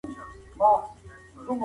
هغه پريکړي چي په بيړه کيږي اکثرا غلطي وي.